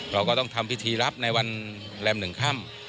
เราก็ต้องทำพิธีรับในวันแรม๑ค่ำ